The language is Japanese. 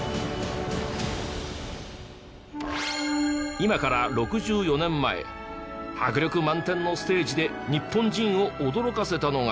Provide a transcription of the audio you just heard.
今から６４年前迫力満点のステージで日本人を驚かせたのが。